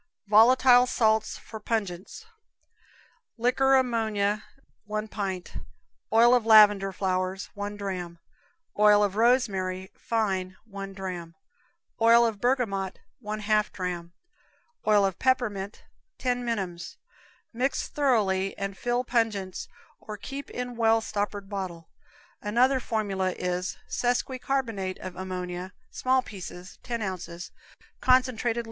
Volatile Salts for Pungents. Liquor ammon., 1 pint; oil lavender flowers, 1 dram; oil rosemary, fine, 1 dram; oil bergamot, 1/2 dram; oil peppermint, 10 minims. Mix thoroughly and fill pungents or keep in well stoppered bottle. Another formula is, sesqui carbonate of ammonia, small pieces, 10 ounces; concentrated liq.